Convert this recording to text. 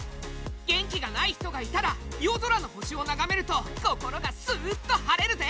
元気がない人がいたら夜空の星を眺めると心がスーッと晴れるぜ！